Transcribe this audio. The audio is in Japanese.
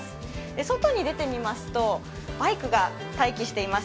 外に出てみますと、バイクが待機しています。